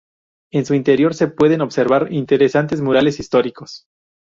En su interior se pueden observar interesantes murales históricos.